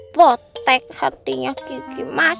potek hatinya gigi mas